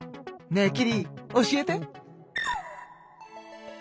ねえキリ教えて。